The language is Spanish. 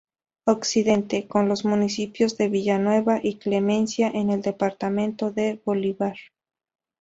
Occidente: con los municipios de Villanueva y Clemencia en el departamento de Bolívar.